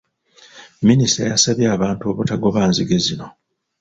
Minisita yasabye abantu obutagoba nzige zino.